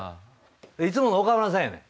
いつもの岡村さんやねん。